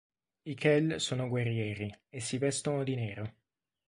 I kel sono guerrieri, e si vestono di nero.